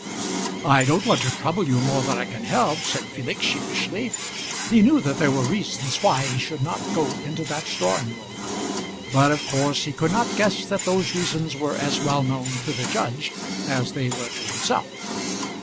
"I don't want to trouble you more than I can help," said Felix, sheepishly. He knew that there were reasons why he should not go into that drawing room, but of course he could not guess that those reasons were as well known to the judge as they were to himself.